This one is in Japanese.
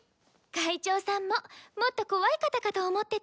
会長さんももっと怖い方かと思ってたわ。